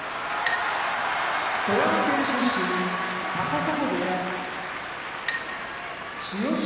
富山県出身高砂部屋千代翔